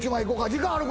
時間ある？